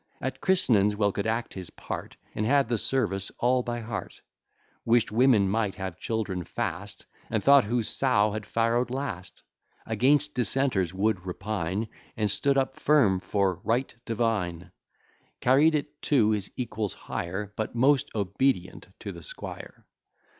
At christ'nings well could act his part, And had the service all by heart; Wish'd women might have children fast, And thought whose sow had farrow'd last; Against dissenters would repine. And stood up firm for "right divine;" Carried it to his equals higher, But most obedient to the squire.